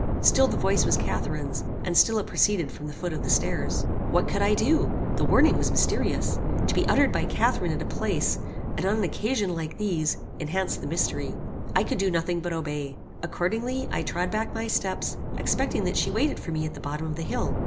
Still the voice was Catharine's, and still it proceeded from the foot of the stairs. "What could I do? The warning was mysterious. To be uttered by Catharine at a place, and on an occasion like these, enhanced the mystery. I could do nothing but obey. Accordingly, I trod back my steps, expecting that she waited for me at the bottom of the hill.